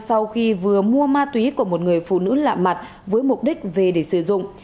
sau khi vừa mua ma túy của một người phụ nữ lạ mặt với mục đích về để sử dụng